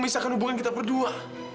memisahkan hubungan kita berdua